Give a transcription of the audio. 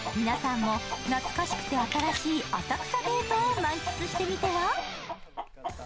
皆さんも懐かしくて新しい浅草デートを満喫してみては。